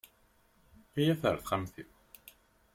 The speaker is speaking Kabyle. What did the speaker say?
Iyyawet ɣer texxamt-iw.